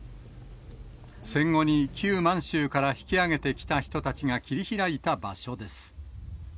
戦後に旧満州から引き揚げてきた人たちが切り開いた場所です。